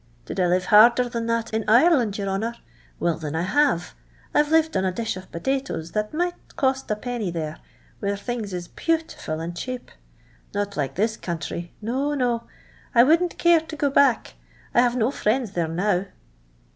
Did I live harder than that in Ireland, your honour ? Well, thin, I have. I 've lived on a dish of potatoes that might cost a penny there, where things is bhutiful and chape. Not like this country. • No, no. I wouldn't care to go back. I have no friends there now.